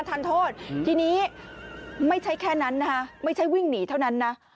ทันโทษทีนี้ไม่ใช่แค่นั้นนะคะไม่ใช่วิ่งหนีเท่านั้นนะ